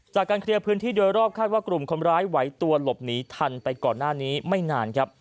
จากการเคลียร์พื้นที่โดยรอบคาดว่ากลุ่มคนร้ายไหวตัวหลบหนีทันไปก่อนหน้านี้ไม่นานครับ